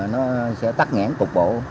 nó sẽ tắt ngãn tục bộ